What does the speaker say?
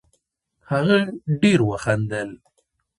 هغه ډېر وخندل